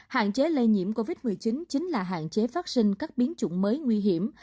hạn chế lây nhiễm covid một mươi chín chính là hạn chế phát sinh các biến chủng mới nguy hiểm